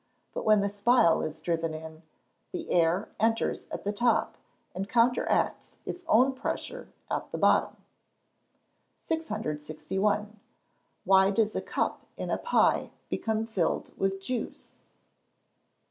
But when the spile is driven in, the air enters at the top, and counteracts its own pressure at the bottom. 661. _Why does a cup in a pie become filled with juice?